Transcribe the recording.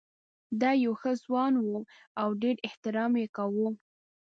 دی یو ښه ځوان و او ډېر احترام یې کاوه.